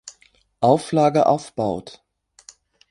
Auflage aufbaut.